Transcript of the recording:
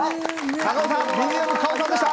中尾さんＢＭカオさんでした！